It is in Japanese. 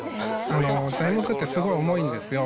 材木ってすごい重いんですよ。